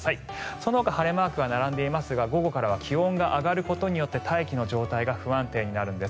そのほか晴れマークが並んでいますが午後から気温が上がることで大気の状態が不安定になるんです。